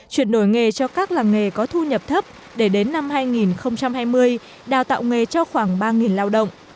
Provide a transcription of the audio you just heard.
chuyển đổi nghề cho các làng nghề có thu nhập thấp để đến năm hai nghìn hai mươi đào tạo nghề cho khoảng ba lao động